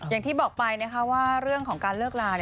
อย่างที่บอกไปนะคะว่าเรื่องของการเลิกลา